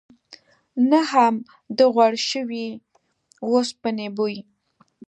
نه هم د غوړ شوي اوسپنې بوی.